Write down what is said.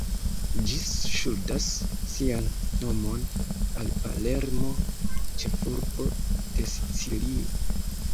Ĝi ŝuldas sian nomon al Palermo, ĉefurbo de Sicilio.